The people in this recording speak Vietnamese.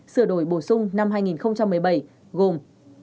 sửa đổi bổ sung năm hai nghìn một mươi bảy gồm